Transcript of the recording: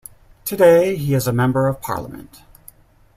Today he is a Member of Parliament.